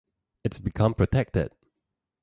It's become protected.